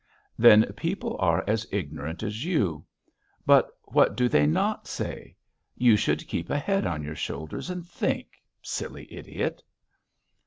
"Then people are as ignorant as you.... But what do they not say? You should keep a head on your shoulders and think. Silly idiot!"